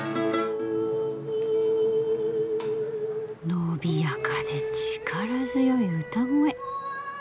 ・伸びやかで力強い歌声。